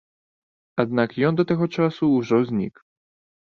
Аднак ён да таго часу ўжо знік.